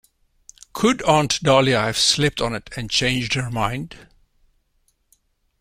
Could Aunt Dahlia have slept on it and changed her mind?